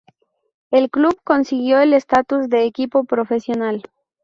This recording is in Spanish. El club consiguió el estatus de equipo profesional.